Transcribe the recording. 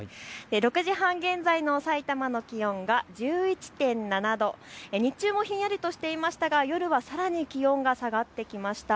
６時半現在のさいたまの気温が１１．７度、日中もひんやりとしていましたが夜はさらに気温が下がってきました。